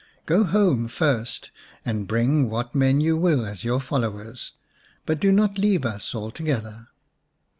Go home first, and bring what men you will as your followers, but do not leave us altogether."